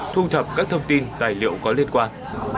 thu thập các thông tin tài liệu có liên quan